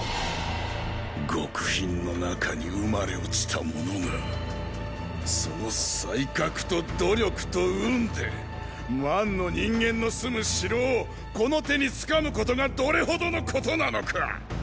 極貧の中に生まれ落ちた者がーーその“才覚”と“努力”と“運”で万の人間の住む城をこの手につかむことがどれほどのことなのか！